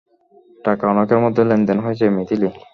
টাকা অনেকের মধ্যে লেনদেন হয়েছে, মিথিলি।